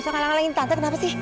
usah kalah kalahin tante kenapa sih